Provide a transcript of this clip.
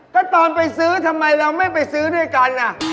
ก็ตอนไปซื้อทำไมเราไม่ไปซื้อด้วยกัน